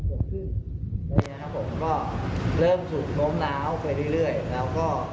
เริ่มสูบโน้มแล้วยังไปเรื่อยเรื่อยแล้วก็